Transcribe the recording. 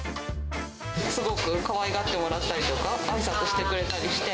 すごくかわいがってもらったりとか、あいさつしてくれたりして。